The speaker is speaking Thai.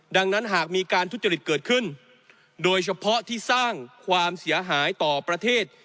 ดังนั้นหากมีการทุจริตเกิดขึ้นโดยเฉพาะที่สร้างความเสียหายต่อประเทศ